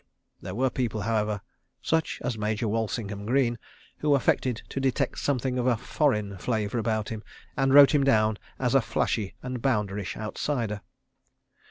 ... There were people, however—such as Major Walsingham Greene—who affected to detect something of a "foreign" flavour about him, and wrote him down as a flashy and bounderish outsider.